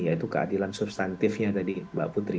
yaitu keadilan substantifnya tadi mbak putri